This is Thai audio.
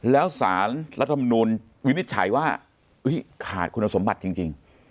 แล้วสารรัฐมนูลวินิจฉัยว่าขาดคุณสมบัติจริง